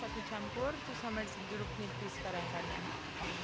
aku campur terus sampai jeruk nipis sekarang karena